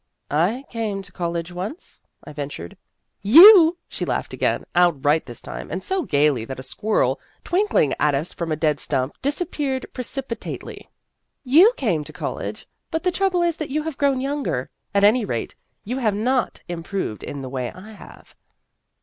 " I came to college once," I ventured. " You !" she laughed again, outright this time, and so gayly that a squirrel twinkling at us from a dead stump disap peared precipitately ;" you came to college, but the trouble is that you have grown younger. At any rate, you have not im proved in the way I have."